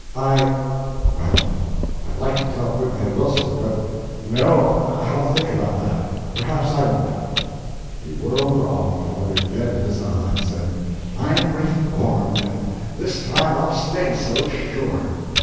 I well, I'd like to tell Pudd'nhead Wilson, but no, I'll think about that; perhaps I won't." He whirled off another dead huzza, and said, "I'm reformed, and this time I'll stay so, sure!"